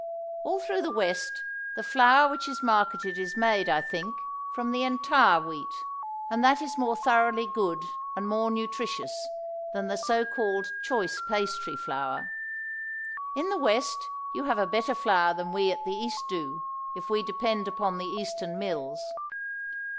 All through the West the flour which is marketed is made, I think, from the entire wheat, and that is more thoroughly good, and more nutritious, than the so called choice pastry flour. In the West you have a better flour than we at the East do, if we depend upon the Eastern mills.